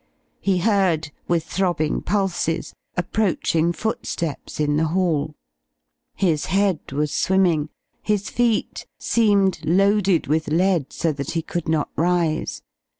He heard, with throbbing pulses, approaching footsteps in the hall. His head was swimming, his feet seemed loaded with lead so that he could not rise.